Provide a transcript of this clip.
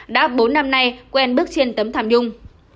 đã bốn năm nay quen bước trên tấm tham dung